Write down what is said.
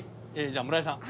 じゃあ村井さん。